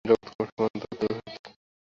জগৎ ক্রমশ মন্দ হইতে মন্দতর হইতে লাগিল।